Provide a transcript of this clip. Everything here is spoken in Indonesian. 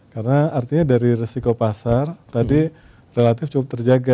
karena artinya dari resiko pasar tadi relatif cukup terjaga